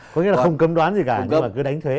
có nghĩa là không cấm đoán gì cả nhưng mà cứ đánh thuế